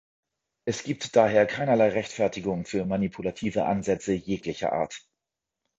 Es gibt daher keinerlei Rechtfertigung für manipulative Ansätze jeglicher Art.